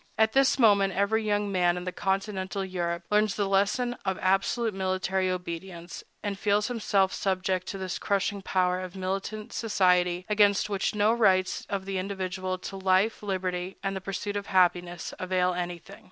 At this moment every young man in Continental Europe learns the lesson of absolute military obedience, and feels himself subject to this crushing power of militant society, against which no rights of the individual to life, liberty, and the pursuit of happiness avail anything.